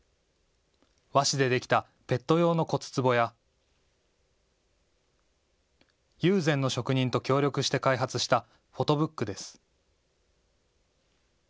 和紙でできたペット用の骨つぼや友禅の職人と協力して開発したフォトブックです。